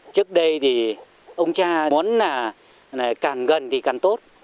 trước đây thì ông cha muốn là càng gần thì càng tốt